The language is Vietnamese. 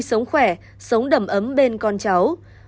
sống khỏe sống đầm ấm bên con cháu